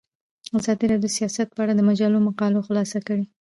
ازادي راډیو د سیاست په اړه د مجلو مقالو خلاصه کړې.